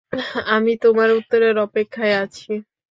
আমি তোমার উত্তরের অপেক্ষায় আছি।